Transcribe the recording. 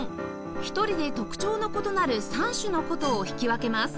一人で特徴の異なる３種の箏を弾き分けます